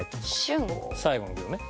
最後の行ね。